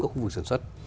của khu vực sản xuất